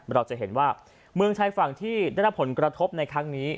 เราจะเห็นว่าเมืองชายฝั่งที่ได้รับผลกระทบในครั้งนี้